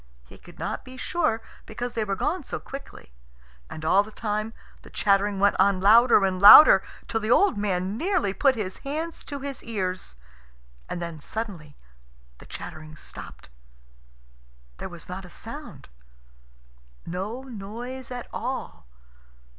He could not be sure, because they were gone so quickly. And all the time the chattering went on louder and louder, till the old man nearly put his hands to his ears. And then suddenly the chattering stopped. There was not a sound no noise at all.